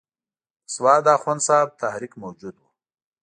د سوات د اخوند صاحب تحریک موجود وو.